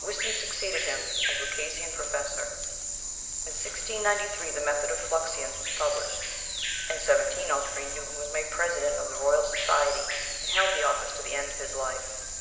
Whiston succeeded him as Lucasian Professor. In 1693 the method of fluxions was published. In 1703 Newton was made President of the Royal Society, and held the office to the end of his life.